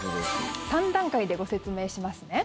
３段階でご説明しますね。